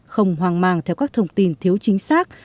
không hoang mang theo các thông tin thiếu chính xác